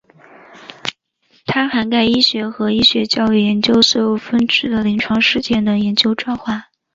它涵盖医学和医学教育研究所有分支的临床实践的研究转化。